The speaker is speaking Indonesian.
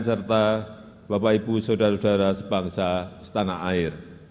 serta bapak ibu saudara saudara sebangsa setanah air